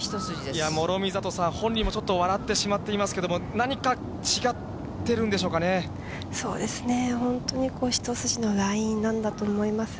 いや、諸見里さん、本人もちょっと笑ってしまっていますけども、何か違ってるんでしそうですね、本当に一筋のラインなんだと思います。